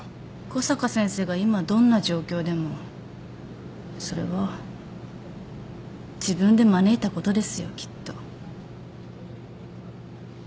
小坂先生が今どんな状況でもそれは自分で招いたことですよきっと。